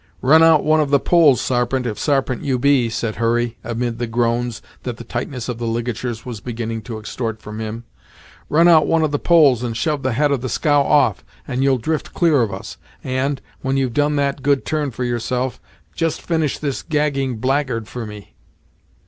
"Run out one of the poles, Sarpent, if Sarpent you be," said Hurry, amid the groans that the tightness of the ligatures was beginning to extort from him "run out one of the poles, and shove the head of the scow off, and you'll drift clear of us and, when you've done that good turn for yourself just finish this gagging blackguard for me."